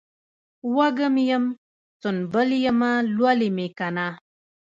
وږم یم ، سنبل یمه لولی مې کنه